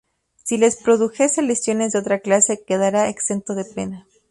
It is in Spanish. Si les produjese lesiones de otra clase quedará exento de pena".